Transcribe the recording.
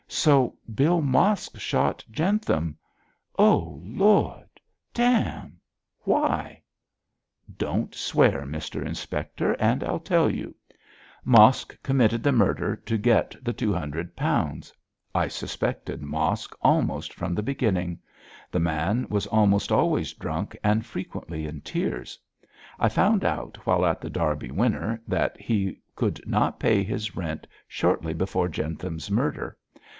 'So Bill Mosk shot Jentham. Oh, Lord! Damme! Why?' 'Don't swear, Mr Inspector, and I'll tell you. Mosk committed the murder to get the two hundred pounds. I suspected Mosk almost from the beginning. The man was almost always drunk and frequently in tears. I found out while at The Derby Winner that he could not pay his rent shortly before Jentham's murder.